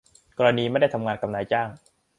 กรณีไม่ได้ทำงานกับนายจ้าง